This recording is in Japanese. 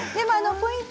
ポイント